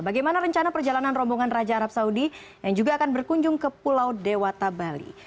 bagaimana rencana perjalanan rombongan raja arab saudi yang juga akan berkunjung ke pulau dewata bali